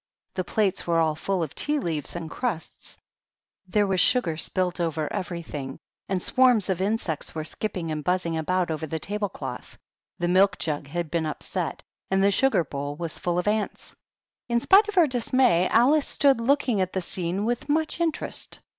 The plates were all full of tea leaves and crusts, there was sugar spilt over everything, and swarms of insects were skipping and buzzing about over the table cloth. The milk jug had been upset, and the sugar bowl was full of ants. In spite of her dismay, Alice stood looking at the scene with much interest.